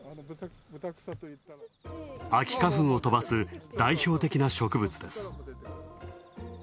秋花粉を飛ばす代表的な植物です。